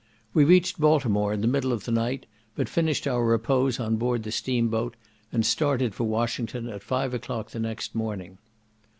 We reached Baltimore in the middle of the night, but finished our repose on board the steam boat, and started for Washington at five o'clock the next morning.